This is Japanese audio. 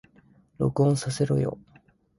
録音させろよ